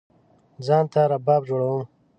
ځان ته رباب جوړوم